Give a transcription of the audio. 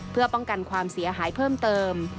เพื่อป้องกันความเสียหายเพิ่มเติม